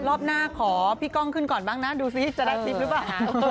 รอบหน้าขอพี่ก้องขึ้นก่อนบ้างนะดูซิจะได้คลิปหรือเปล่า